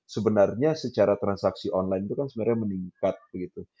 sebenarnya secara transaksi online itu kan sebenarnya meningkat begitu